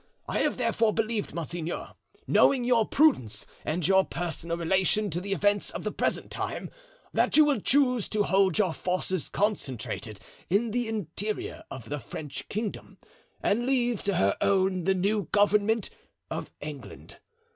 I have therefore believed, monseigneur, knowing your prudence and your personal relation to the events of the present time, that you will choose to hold your forces concentrated in the interior of the French kingdom and leave to her own the new government of England.